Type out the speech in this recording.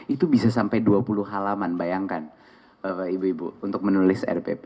itu bisa sampai dua puluh halaman bayangkan ibu ibu untuk menulis rpp